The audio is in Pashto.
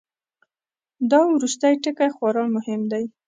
دا وروستی ټکی خورا مهم دی.